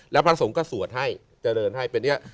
และพระสงฆ์ก็สวดให้เจริญให้